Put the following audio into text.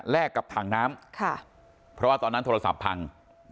กับถังน้ำเพราะว่าตอนนั้นโทรศัพท์พัง